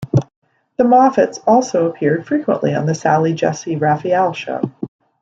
The Moffatts also appeared frequently on "The Sally Jessy Raphael Show".